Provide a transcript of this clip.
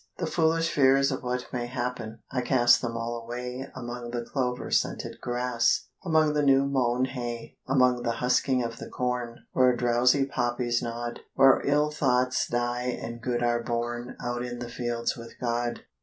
The foolish fears of what may happen, I cast them all away Among the clover scented grass, Among the new mown hay; Among the husking of the corn Where drowsy poppies nod, Where ill thoughts die and good are born Out in the fields with God.